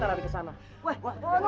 terima kasih ya pak